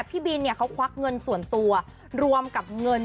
พี่บินเนี่ยเขาควักเงินส่วนตัวรวมกับเงิน